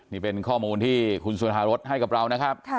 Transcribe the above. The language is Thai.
นี่เป็นข้อมูลที่คุณสุธารสให้กับเรานะครับ